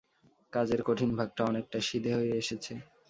কাজের কঠিন ভাগটা অনেকটা সিধে হয়ে এসেছে।